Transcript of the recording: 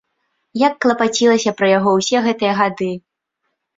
Як клапацілася пра яго ўсе гэтыя гады!